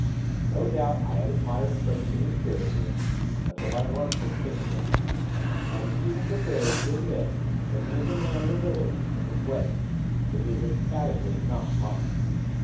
No doubt I have admired traits in his character, until I learnt this thing of him. I am even prepared to admit that he is a man of ability, in his way! which is, emphatically, not mine.